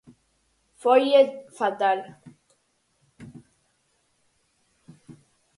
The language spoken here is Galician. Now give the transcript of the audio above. Foille fatal.